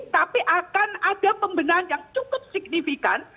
tapi akan ada pembenahan yang cukup signifikan